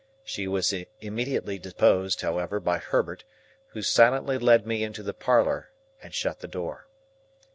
She was immediately deposed, however, by Herbert, who silently led me into the parlour and shut the door.